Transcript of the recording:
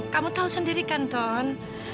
kamu tahu sendiri kan ton